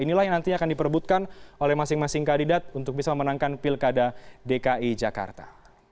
inilah yang nantinya akan diperbutkan oleh masing masing kandidat untuk bisa memenangkan pilkada dki jakarta